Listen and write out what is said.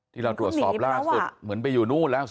ที่เราตรวจสอบล่าสุดเหมือนไปอยู่นู่นแล้ว